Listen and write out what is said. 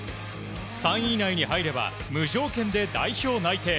３位以内に入れば無条件で代表内定。